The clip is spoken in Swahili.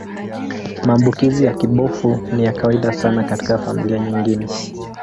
Maambukizi ya kibofu ni ya kawaida sana katika familia nyingine.